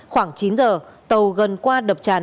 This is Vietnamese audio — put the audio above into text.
khoảng chín giờ tàu gần qua đập tràn